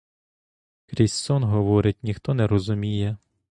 Крізь сон говорить, ніхто не розуміє.